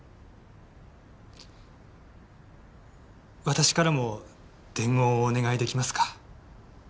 私からも伝言をお願いできますか？